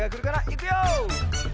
いくよ！